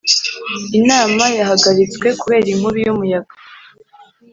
inama yahagaritswe kubera inkubi y'umuyaga.